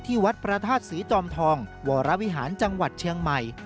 วัดพระธาตุศรีจอมทองวรวิหารจังหวัดเชียงใหม่